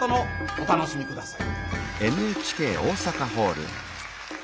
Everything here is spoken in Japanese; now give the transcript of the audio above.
お楽しみ下さい。